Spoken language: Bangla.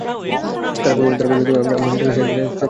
তারা বলবে, আমরা শেষ চেষ্টাটি করেছি।